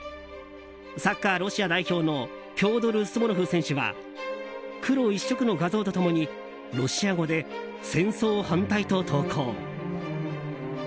サッカー、ロシア代表のフョードル・スモロフ選手は黒一色の画像と共にロシア語で戦争反対と投稿。